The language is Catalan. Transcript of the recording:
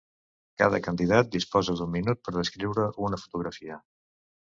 Cada candidat disposa d'un minut per descriure una fotografia.